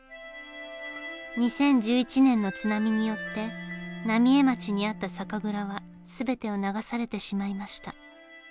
２０１１年の津波によって浪江町にあった酒蔵は全てを流されてしまいました。